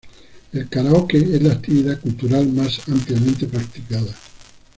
El karaoke es la actividad cultural más ampliamente practicada.